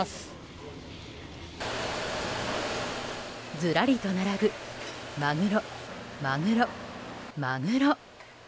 ずらりと並ぶマグロ、マグロ、マグロ。